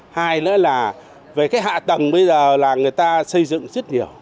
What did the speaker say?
hai nữa là về cái hạ tầng bây giờ là người ta xây dựng rất nhiều